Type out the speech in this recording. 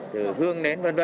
từ hương nến v v